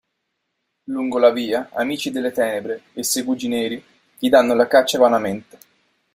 Lungo la via Amici delle Tenebre e Segugi Neri gli danno la caccia vanamente.